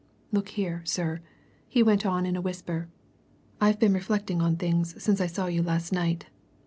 "Look here, sir," he went on in a whisper. "I've been reflecting on things since I saw you last night.